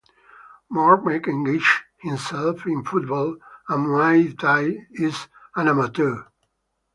Mormeck engaged himself in football and Muay Thai as an amateur.